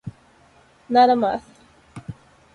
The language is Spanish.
Nada más.